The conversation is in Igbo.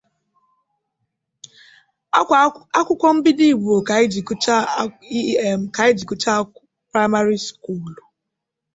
ma sịkwa na ha edeela akwụkwọ banyere ya bụ mbize